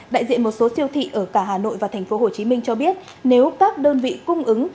đại diện một số siêu thị ở cả hà nội và tp hcm cho biết nếu các đơn vị cung ứng